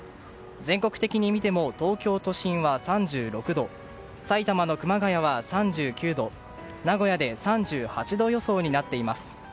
全国的に見ても東京都心は３６度埼玉の熊谷は３９度名古屋で３８度予想となっています。